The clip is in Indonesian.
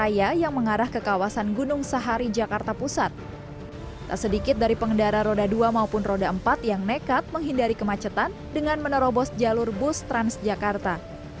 yang nekat menghindari kemacetan dengan menerobos jalur bus transjakarta